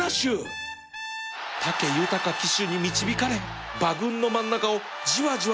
武豊騎手に導かれ馬群の真ん中をじわじわ伸び